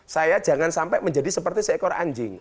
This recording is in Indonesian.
saya jangan sampai menjadi seperti seekor anjing